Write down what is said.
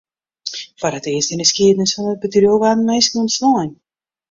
Foar it earst yn 'e skiednis fan it bedriuw waarden minsken ûntslein.